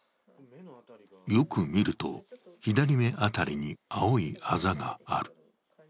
よく見ると、左目辺りに青いあざがある。